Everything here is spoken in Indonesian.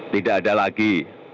tidak ada lagi